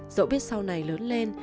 dẫu biết sau này lớn lên